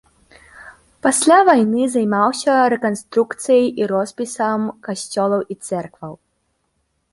Пасля вайны займаўся рэканструкцыяй і роспісам касцёлаў і цэркваў.